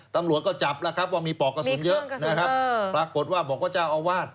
ตำรวจก็จับแล้วครับว่ามีปอกกระสุนเยอะนะครับปรากฏว่าบอกว่าเจ้าอาวาส